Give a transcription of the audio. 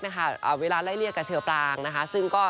มึงจะเชอร์ปางนะคะซึ่งก็